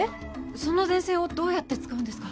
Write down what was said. その電線をどうやって使うんですか？